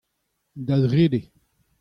da drede.